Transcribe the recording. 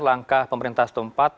langkah pemerintah setempat